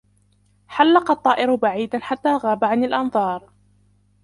حلق الطائر بعيداً حتى غاب عن الأنظار.